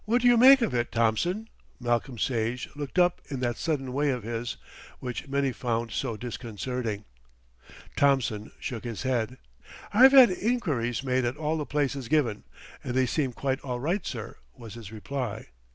"What do you make of it, Thompson?" Malcolm Sage looked up in that sudden way of his, which many found so disconcerting. Thompson shook his head. "I've had enquiries made at all the places given, and they seem quite all right, sir," was his reply.